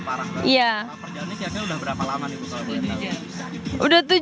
pernah perjalanannya kayaknya udah berapa lama nih kalau boleh tahu